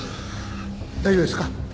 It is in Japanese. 大丈夫ですか？